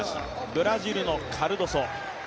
ブラジルのカルドソ。